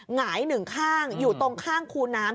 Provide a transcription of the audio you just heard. หงายหนึ่งข้างอยู่ตรงข้างคูน้ำ